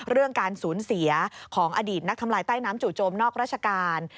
เรื่องการสูญเสียของอดีตนักทำลายใต้น้ำจู่โจมนอกราชการ